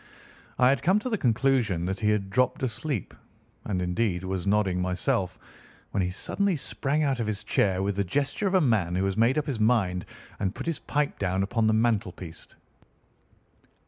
I had come to the conclusion that he had dropped asleep, and indeed was nodding myself, when he suddenly sprang out of his chair with the gesture of a man who has made up his mind and put his pipe down upon the mantelpiece.